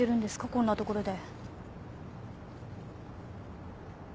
こんな所で。